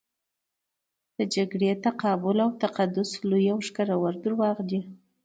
د جګړې تقابل او تقدس لوی او ښکرور درواغ دي.